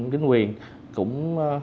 chính quyền cũng